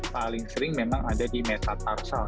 paling sering memang ada di metatarsal